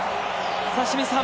清水さん